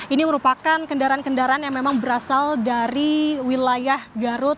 ini merupakan kendaraan kendaraan yang memang berasal dari wilayah garut